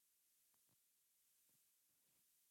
კანა გავრცელებულია აღმოსავლეთ და სამხრეთ აფრიკის სავანებში.